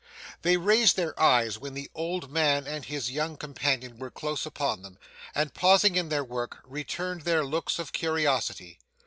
They raised their eyes when the old man and his young companion were close upon them, and pausing in their work, returned their looks of curiosity.